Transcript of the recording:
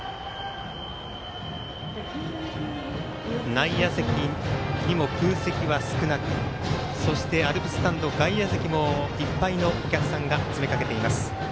内野席にも空席は少なくそして、アルプススタンド外野席もいっぱいのお客さんが詰めかけています。